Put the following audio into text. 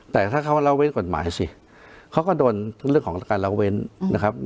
แต่ถ้าเขาละเว้นกฎหมายสิเขาก็โดนทั้งเรื่องของการละเว้นนะครับ